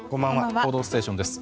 「報道ステーション」です。